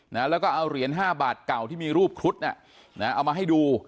นะแล้วก็เอาเหรียญห้าบาทเก่าที่มีรูปครุฑน่ะนะเอามาให้ดู